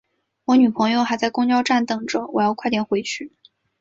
我女朋友还在公交站等着，我要快点回去。